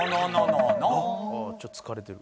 「ああちょっと疲れてる」